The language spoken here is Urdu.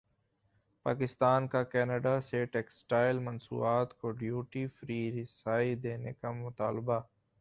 پاکستان کاکینیڈا سے ٹیکسٹائل مصنوعات کو ڈیوٹی فری رسائی دینے کامطالبہ